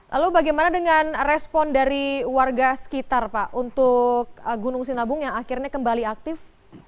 lalu bagaimana dengan respon dari warga sekitar pak untuk gunung sinabung yang akhirnya kembali aktif